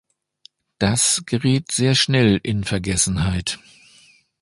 Das gerät sehr schnell in Vergessenheit.